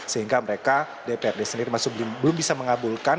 sehingga mereka dprd sendiri masih belum bisa mengabulkan